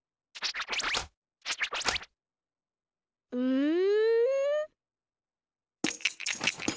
うん？